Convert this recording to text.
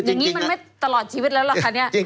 อย่างนี้มันไม่ตลอดชีวิตแล้วล่ะคะเนี่ย